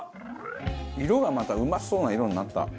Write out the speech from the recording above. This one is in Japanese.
色がまたうまそうな色になった。